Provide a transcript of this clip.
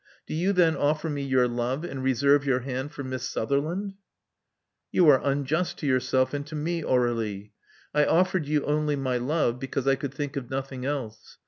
Do you then offer me your love, and reserve your hand for Miss Sutherland?" You are unjust to yourself and to me, Aur^lie. I offered you only my love because I could think of nothing else.